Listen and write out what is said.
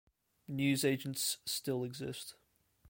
Newsagents still exist.